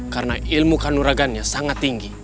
karena ilmu kanuragannya sangat tinggi